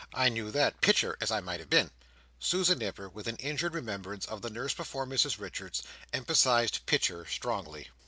I knew that, Pitcher as I might have been." Susan Nipper, with an injured remembrance of the nurse before Mrs Richards, emphasised "Pitcher" strongly.